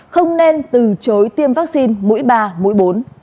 không nên từ chối tiêm vaccine mũi ba mũi bốn